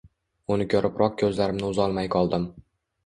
Uni ko‘riboq ko‘zlarimni uzolmay qoldim.